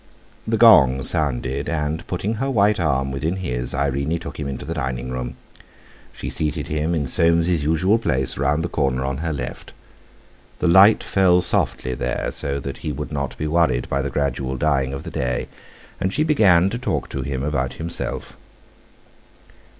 The gong sounded, and, putting her white arm within his, Irene took him into the dining room. She seated him in Soames's usual place, round the corner on her left. The light fell softly there, so that he would not be worried by the gradual dying of the day; and she began to talk to him about himself.